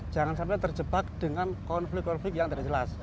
jangan sampai terjebak dengan konflik konflik yang tidak jelas